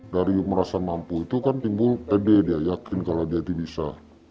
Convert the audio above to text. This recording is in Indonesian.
dari merasa mampu itu kan timbul pede dia yakin kalau dia itu bisa